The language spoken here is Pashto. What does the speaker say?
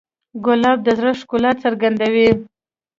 ګلاب د زړه ښکلا څرګندوي.